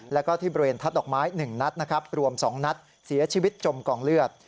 แล้วก็ที่บริเวณทัศน์ดอกไม้๑นัดนะครับรวม๒นัดเสียชีวิตจมกองเลือด